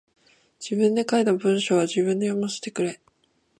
自分で書いた文章は自分で読ませてくれ。